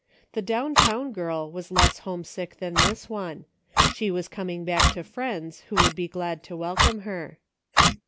The down town girl was less homesick than this one ; she was coming back to friends who would be glad to welcome her.